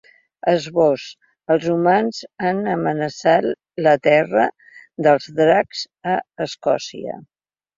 Esbós: Els humans han amenaçat la terra dels dracs, a Escòcia.